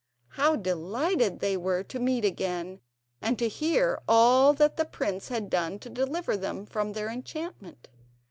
How delighted they were to meet again, and to hear all that the prince had done to deliver them from their enchantment.